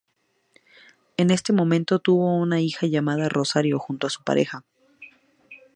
En este momento, tuvo una hija llamada Rosario junto a su pareja.